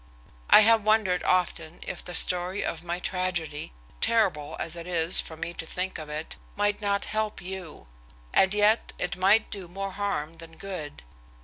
I have wondered often if the story of my tragedy, terrible as it is for me to think of it, might not help you. And yet it might do more harm than good.